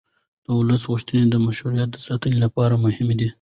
د ولس غوښتنې د مشروعیت د ساتنې لپاره مهمې دي